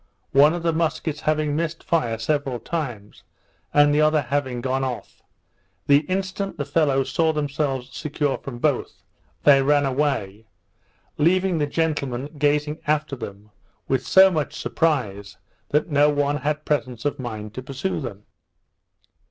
One of the muskets having missed fire several times, and the other having gone off, the instant the fellows saw themselves secure from both, they ran away, leaving the gentlemen gazing after them with so much surprise, that no one had presence of mind to pursue them.